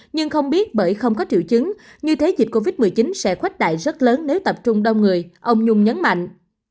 nhưng không biết bởi không có triệu chứng như thế dịch covid một mươi chín sẽ khuếch đại rất lớn nếu tập trung đông người ông nhung nhấn mạnh